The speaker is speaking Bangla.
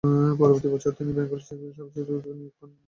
পরবর্তী বছর তিনি বেঙ্গল সিভিল সার্ভিসে নিয়োগ পান।